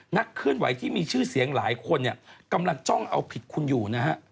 นักเคลื่อนไหวที่มีชื่อเสียงหลายคนเนี่ยกำลังจ้องเอาผิดคุณอยู่นะฮะ